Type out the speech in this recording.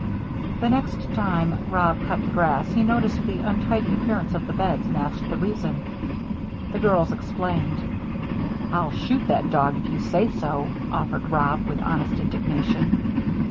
The next time Rob cut the grass he noticed the untidy appearance of the beds and asked the reason. The girls explained. "I'll shoot that dog if you say so," offered Rob, with honest indignation.